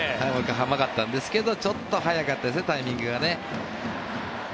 甘かったんですがちょっと早かったですねタイミングが。